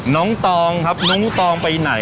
ตองครับน้องตองไปไหน